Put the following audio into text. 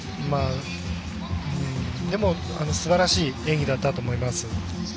でもすばらしい演技だったと思います。